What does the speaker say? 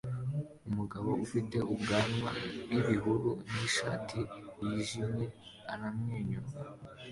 Umugabo ufite ubwanwa bwibihuru nishati yijimye aramwenyura